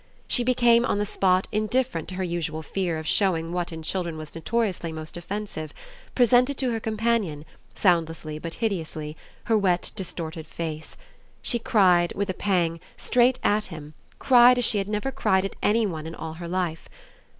She became on the spot indifferent to her usual fear of showing what in children was notoriously most offensive presented to her companion, soundlessly but hideously, her wet distorted face. She cried, with a pang, straight AT him, cried as she had never cried at any one in all her life.